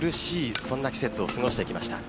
そんな季節を過ごしてきました。